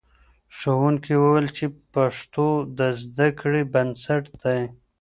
ښوونکي وویل چې پښتو د زده کړې بنسټ دی.